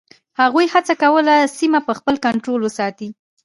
هغوی هڅه کوله سیمه په خپل کنټرول کې وساتي.